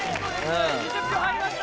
２０票入りました！